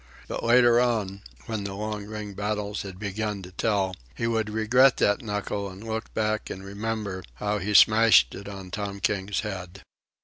But later on, when the long ring battles had begun to tell, he would regret that knuckle and look back and remember how he smashed it on Tom King's head.